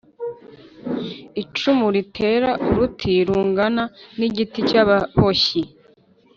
Icumu ritera uruti rungana n igiti cy ababoshyi